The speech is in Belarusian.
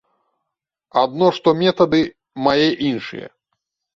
Адно што метады мае іншыя.